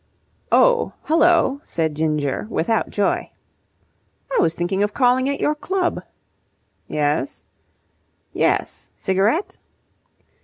"Oh, hullo!" said Ginger, without joy. "I was thinking of calling at your club." "Yes?" "Yes. Cigarette?"